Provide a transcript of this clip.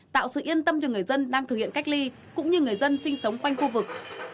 tạo sự yên tâm cho người dân đang thực hiện cách ly cũng như người dân sinh sống quanh khu vực